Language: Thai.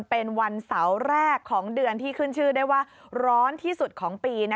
เป็นวันเสาร์แรกของเดือนที่ขึ้นชื่อได้ว่าร้อนที่สุดของปี